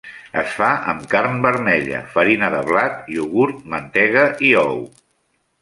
Es fa amb carn vermella, farina de blat, iogurt, mantega i ou.